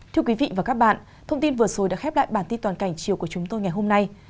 thưa quý vị và các bạn thông tin vừa rồi đã khép lại bản tin toàn cảnh chiều của chúng tôi ngày hôm nay